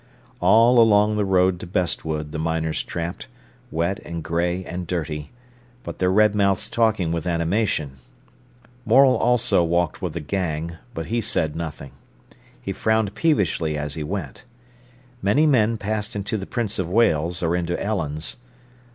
All along the road to Bestwood the miners tramped, wet and grey and dirty, but their red mouths talking with animation. Morel also walked with a gang, but he said nothing. He frowned peevishly as he went. Many men passed into the Prince of Wales or into Ellen's.